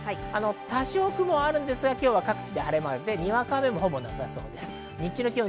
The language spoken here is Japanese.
多少雲はありますが各地で晴れ間が出てにわか雨もほぼなさそうです。